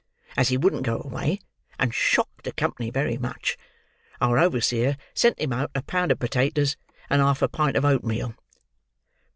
As he wouldn't go away, and shocked the company very much, our overseer sent him out a pound of potatoes and half a pint of oatmeal.